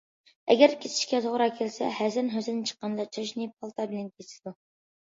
ئەگەر كېسىشكە توغرا كەلسە، ھەسەن- ھۈسەن چىققاندا چاچنى پالتا بىلەن كېسىدۇ.